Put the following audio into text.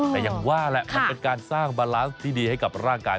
แต่อย่างว่าแหละมันเป็นการสร้างบาลานซ์ที่ดีให้กับร่างกาย